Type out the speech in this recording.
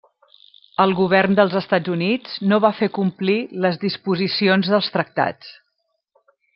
El govern dels Estats Units no va fer complir les disposicions dels tractats.